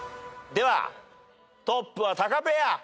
ではトップはタカペア。